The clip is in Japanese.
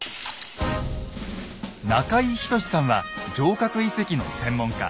中井均さんは城郭遺跡の専門家。